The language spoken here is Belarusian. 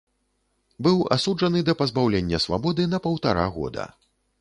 Быў асуджаны да пазбаўлення свабоды на паўтара года.